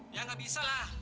ya gak bisa lah